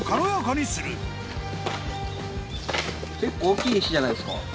結構大きい石じゃないですか。